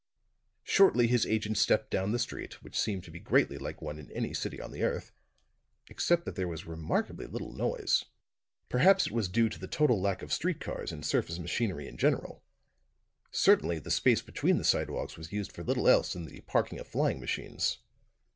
Shortly his agent stepped down the street, which seemed to be greatly like one in any city on the earth, except that there was remarkably little noise. Perhaps it was due to the total lack of street cars and surface machinery in general. Certainly the space between the sidewalks was used for little else than the parking of flying machines.